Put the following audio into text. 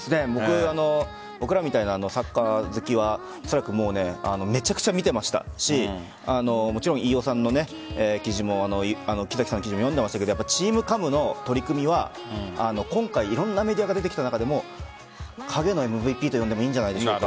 僕らみたいなサッカー好きはおそらくめちゃくちゃ見ていましたしもちろん、飯尾さんの記事も木崎さんの記事も読んでいましたがＴｅａｍＣａｍの取り組みは今回いろんなメディアが出てきた中でも影のＭＶＰと呼んでもいいんじゃないでしょうか。